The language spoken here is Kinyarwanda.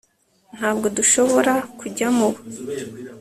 ntabwo dushobora kujyamo ubu